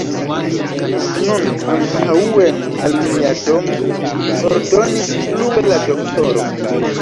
Nun antaŭen al mia domo, ordonis plue la doktoro.